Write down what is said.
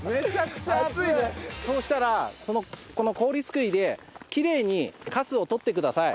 そうしたらこの氷すくいでキレイにカスを取ってください。